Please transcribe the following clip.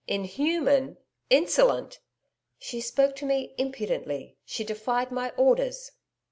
'Inhuman... Insolent!' 'She spoke to me impudently. She defied my orders.'